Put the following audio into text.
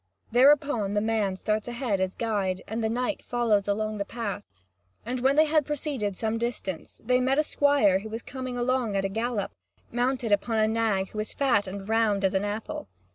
Thereupon the man starts ahead as guide, and the knight follows along the path. And when they had proceeded some distance, they met a squire who was coming along at a gallop, mounted upon a nag that was as fat and round as an apple.